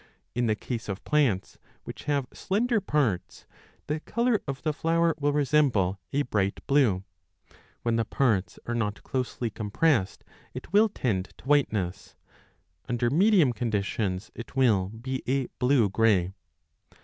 In the case of plants which have slender parts the colour of the flower will resemble a bright 35 blue ; when the parts arc not closely compressed, it will tend to whiteness ; under medium conditions it will be a blue grey.